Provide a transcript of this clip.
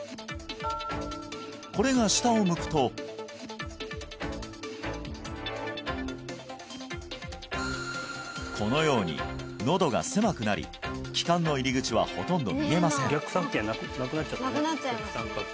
これが下を向くとこのようにのどが狭くなり気管の入り口はほとんど見えません